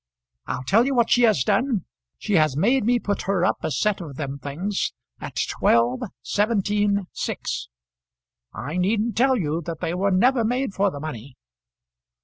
I'll tell you what she has done; she has made me put her up a set of them things at twelve, seventeen, six! I needn't tell you that they were never made for the money."